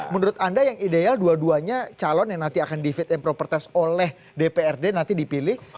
menurut anda yang ideal dua duanya calon yang nanti akan di fit and proper test oleh dprd nanti dipilih